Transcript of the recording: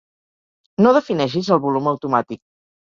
No defineixis el volum automàtic.